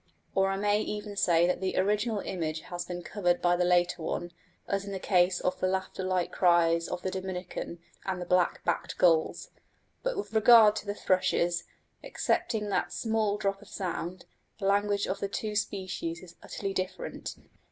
Or I might even say that the original image has been covered by the later one, as in the case of the laughter like cries of the Dominican and the black backed gulls. But with regard to the thrushes, excepting that small drop of sound, the language of the two species is utterly different.